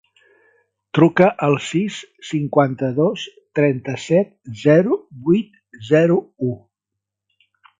Truca al sis, cinquanta-dos, trenta-set, zero, vuit, zero, u.